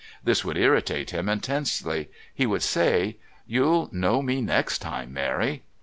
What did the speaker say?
This would irritate him intensely. He would say: "You'll know me next time, Mary."